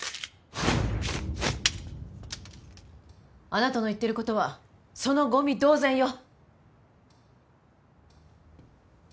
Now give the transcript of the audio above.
あなたの言っていることはそのごみ同然よ。